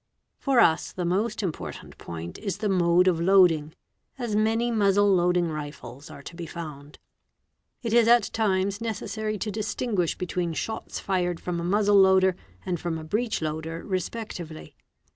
For us the most impor —| tant point is the mode of loading, as many muzzle loading rifles are to be — found. It isat times necessary to distinguish between shots fired from a muzzle loader and from a breech loader respectively.